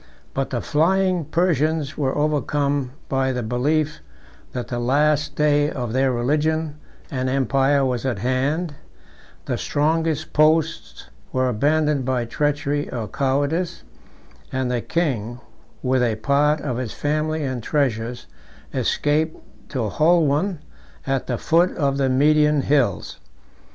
But the flying Persians were overcome by the belief, that the last day of their religion and empire was at hand; the strongest posts were abandoned by treachery or cowardice; and the king, with a part of his family and treasures, escaped to Holwan at the foot of the Median hills.